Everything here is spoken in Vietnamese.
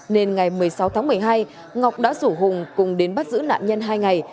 nên ngày một mươi sáu tháng một mươi hai ngọc đã rủ hùng cùng đến bắt giữ nạn nhân hai ngày